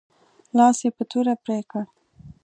لاس یې په توره پرې کړ.